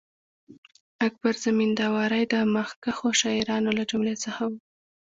اکبر زمینداوری د مخکښو شاعرانو له جملې څخه وو.